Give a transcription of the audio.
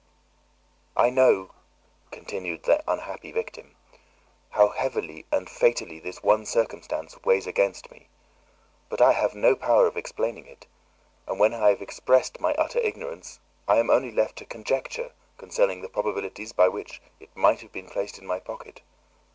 "I know," continued the unhappy victim, "how heavily and fatally this one circumstance weighs against me, but I have no power of explaining it; and when I have expressed my utter ignorance, I am only left to conjecture concerning the probabilities by which it might have been placed in my pocket.